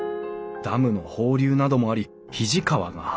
ダムの放流などもあり肱川が氾濫。